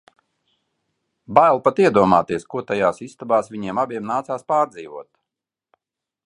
Bail pat iedomāties, ko tajās istabās viņiem abiem nācās pārdzīvot...